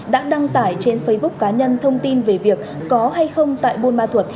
đã đăng tải trên facebook cá nhân thông tin về việc có hay không tại buôn ma thuột